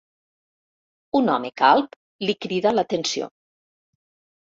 Un home calb li crida l'atenció.